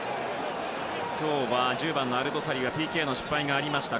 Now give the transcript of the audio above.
今日は１０番のアルドサリＰＫの失敗がありました。